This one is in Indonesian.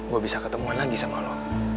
gue bisa ketemuan lagi sama lo